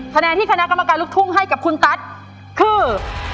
คะแนนที่คณะกรรมการลูกทุ่งให้กับคุณตั๊ดคือ